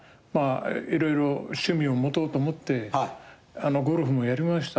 色々趣味を持とうと思ってゴルフもやりました。